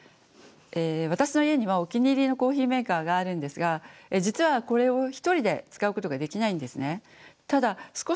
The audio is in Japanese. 私の家にはお気に入りのコーヒーメーカーがあるんですが実はこれを一人で使うことができないんですね。